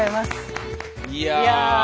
いや。